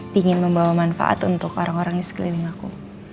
ingin membawa manfaat untuk orang orang di sekeliling aku